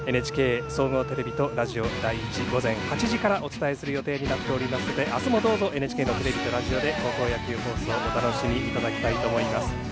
ＮＨＫ総合テレビとラジオ第１午前８時からお伝えする予定になっていますので明日もどうぞＮＨＫのテレビとラジオで高校野球放送をお楽しみいただきたいと思います。